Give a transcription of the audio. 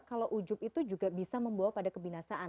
kalau ujub itu juga bisa membawa pada kebinasaan